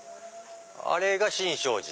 あれが新勝寺。